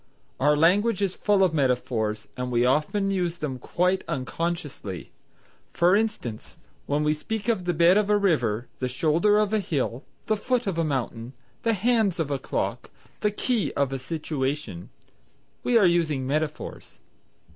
Our language is full of metaphors, and we very often use them quite unconsciously. For instance, when we speak of the bed of a river, the shoulder of a hill, the foot of a mountain, the hands of a clock, the key of a situation, we are using metaphors.